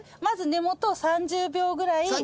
まず根元を３０秒ぐらい。